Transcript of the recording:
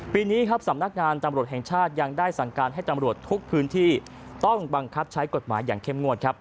ปีนี้ครับสำนักงานตำรวจแห่งชาติยังได้สั่งการให้ตำรวจทุกพื้นที่ต้องบังคับใช้กฎหมายอย่างเข้มงวดครับ